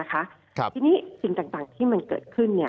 ทีนี้สิ่งต่างที่มันเกิดขึ้น